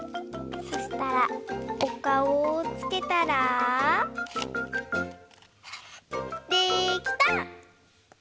そしたらおかおをつけたらできた！